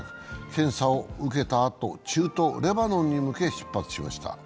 検査を受けたあと、中東レバノンに向け、出発しました。